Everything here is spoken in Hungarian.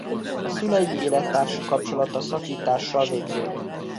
A szülei élettársi kapcsolata szakítással végződött.